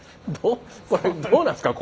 これどうなんすか？